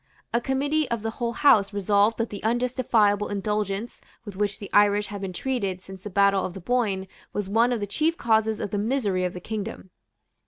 A committee of the whole House resolved that the unjustifiable indulgence with which the Irish had been treated since the battle of the Boyne was one of the chief causes of the misery of the kingdom.